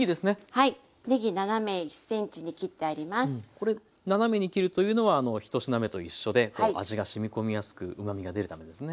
これ斜めに切るというのは１品目と一緒で味がしみこみやすくうまみが出るためですね。